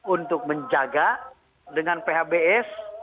untuk menjaga dengan phbs